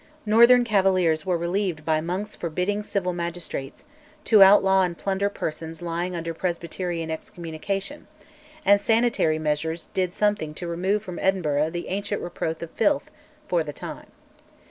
Northern cavaliers were relieved by Monk's forbidding civil magistrates to outlaw and plunder persons lying under Presbyterian excommunication, and sanitary measures did something to remove from Edinburgh the ancient reproach of filth, for the time.